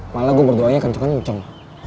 malah gue berdoanya kenceng kenceng